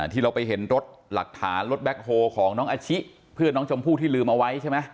ที่เราไปเห็นรถหลักฐานรถแบ็คโฮของน้องอาชิเพื่อนน้องชมพู่ที่ลืมเอาไว้ใช่ไหม